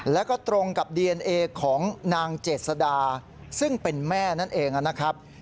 แล้วก็ตรงกับดีเอนเอของนางเจษดาซึ่งเป็นแม่นั่นเองนะครับ